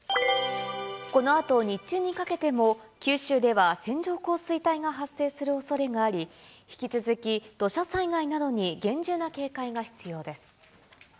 このあと日中にかけても、九州では線状降水帯が発生するおそれがあり、引き続き、土砂災害などに厳重な警戒が必要です。